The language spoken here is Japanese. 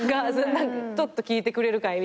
ちょっと聞いてくれるかいみたいな。